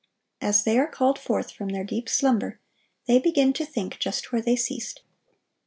(982) As they are called forth from their deep slumber, they begin to think just where they ceased.